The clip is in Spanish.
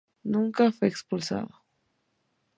Nunca fue expulsado.